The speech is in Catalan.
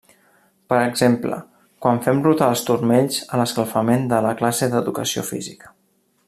Per exemple: quan fem rotar els turmells a l'escalfament de la classe d'Educació Física.